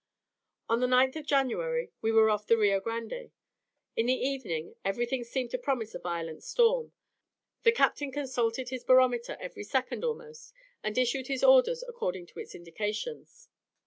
On the 9th of January we were off the Rio Grande. In the evening everything seemed to promise a violent storm; the captain consulted his barometer every second almost, and issued his orders according to its indications.